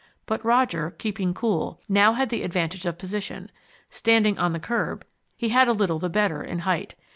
But Roger, keeping cool, now had the advantage of position. Standing on the curb, he had a little the better in height.